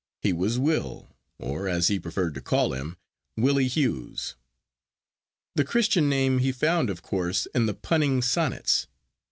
He was Will, or, as he preferred to call him, Willie Hughes. The Christian name he found of course in the punning sonnets, CXXXV.